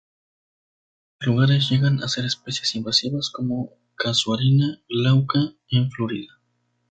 En algunos lugares llegan a ser especies invasivas como "Casuarina glauca" en Florida.